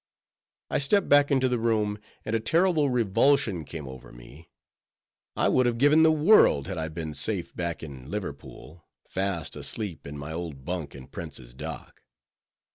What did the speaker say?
I stepped back into the room, and a terrible revulsion came over me: I would have given the world had I been safe back in Liverpool, fast asleep in my old bunk in Prince's Dock.